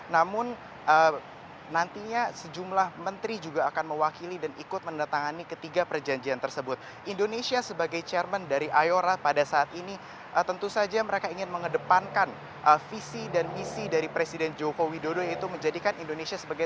namun nantinya sejumlah menteri juga akan mewakili dan ikut mendatangani ketiga perjanjian